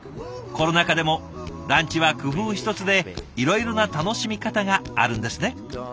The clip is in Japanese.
コロナ禍でもランチは工夫一つでいろいろな楽しみ方があるんですね。